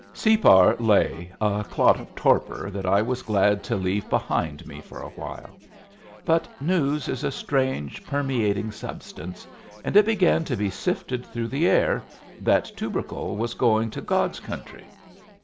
Separ lay a clot of torpor that I was glad to leave behind me for a while. But news is a strange, permeating substance, and it began to be sifted through the air that Tubercle was going to God's country.